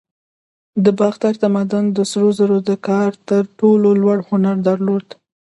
د باختر تمدن د سرو زرو د کار تر ټولو لوړ هنر درلود